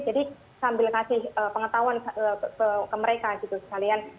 jadi sambil ngasih pengetahuan ke mereka gitu sekalian